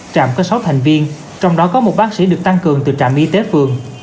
trạm có sáu thành viên trong đó có một bác sĩ được tăng cường từ trạm y tế phường